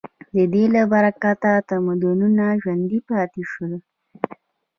د دې له برکته تمدنونه ژوندي پاتې شوي.